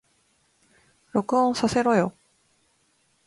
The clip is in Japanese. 録音させろよ